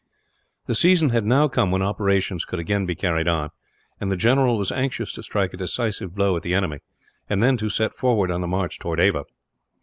The season had now come when operations could again be carried on, and the general was anxious to strike a decisive blow at the enemy, and then to set forward on the march towards Ava.